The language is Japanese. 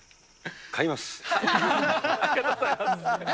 ありがとうございます。